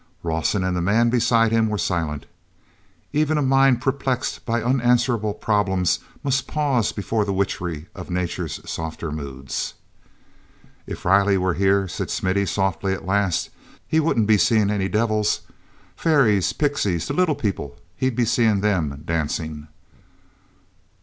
awson and the man beside him were silent. Even a mind perplexed by unanswerable problems must pause before the witchery of nature's softer moods. "If Riley were here," said Smithy softly at last, "he wouldn't be seeing any devils. Fairies, pixies, the 'little people'—he'd be seeing them dancing."